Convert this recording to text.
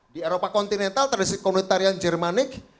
di eropa kontinental tradisi komunitarian germanic